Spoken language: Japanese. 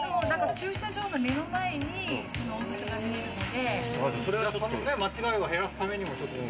駐車場の目の前に大楠があるので。